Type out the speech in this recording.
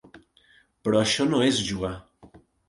Però això no és jugar.